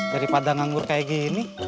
daripada nganggur kayak gini